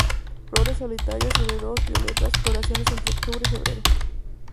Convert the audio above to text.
Flores solitarias o de a dos, violetas; floración entre octubre y febrero.